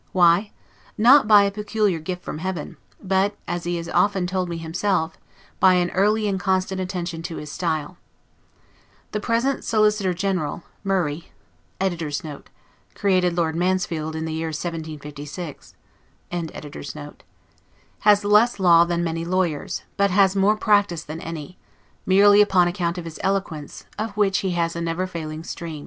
Why? Not by a peculiar gift from heaven; but, as he has often told me himself, by an early and constant attention to his style. The present Solicitor General, Murray, [Created Lord Mansfield in the year 1756.] has less law than many lawyers, but has more practice than any; merely upon account of his eloquence, of which he has a never failing stream.